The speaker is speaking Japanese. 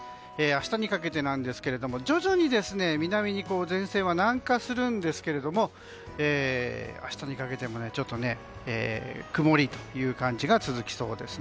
明日にかけてなんですが徐々に南に前線は南下するんですが明日にかけても、ちょっと曇りという感じが続きそうです。